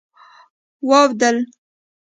واوډل